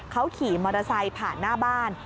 เขาขี่มอเตอร์ไซค์ผ่านหน้าบ้าน